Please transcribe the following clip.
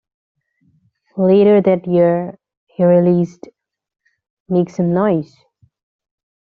Later that year, he released "Make Some Noise".